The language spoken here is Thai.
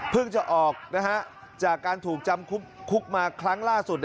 จะออกจากการถูกจำคุกมาครั้งล่าสุด